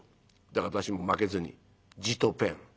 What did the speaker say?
だから私も負けずにじとぺん」。